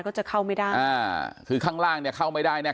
ก็จะเข้าไม่ได้อ่าคือข้างล่างเนี่ยเข้าไม่ได้แน่